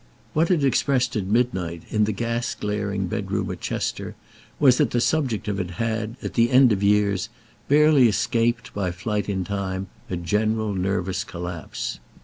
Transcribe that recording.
What it expressed at midnight in the gas glaring bedroom at Chester was that the subject of it had, at the end of years, barely escaped, by flight in time, a general nervous collapse.